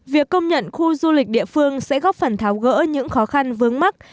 việc công nhận khu du lịch địa phương sẽ góp phần tháo gỡ những khó khăn vướng mắt